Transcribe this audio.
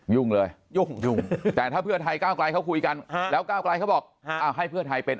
ยุ่งเลยยุ่งยุ่งแต่ถ้าเพื่อไทยก้าวไกลเขาคุยกันแล้วก้าวไกลเขาบอกเอาให้เพื่อไทยเป็น